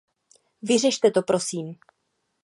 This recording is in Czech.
Vyřešte to prosím.